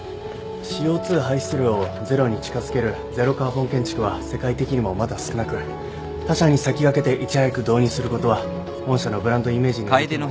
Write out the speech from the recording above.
ＣＯ２排出量をゼロに近づけるゼロカーボン建築は世界的にもまだ少なく他社に先駆けていち早く導入することは御社のブランドイメージにおいても。